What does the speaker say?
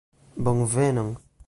bonvenon